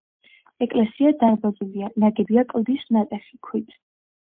ეკლესია დარბაზულია, ნაგებია კლდის ნატეხი ქვით.